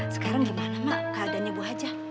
sekarang gimana mak keadaannya bu hajah